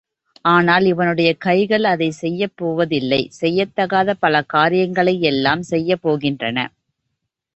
ஆனால் இவனுடைய கைகள் அதைச் செய்யப் போவதில்லை செய்யத்தகாத பல காரியங்களை எல்லாம் செய்யப் போகின்றன.